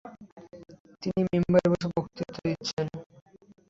তিনি মিম্বারে বসে বক্তৃতা দিচ্ছেন।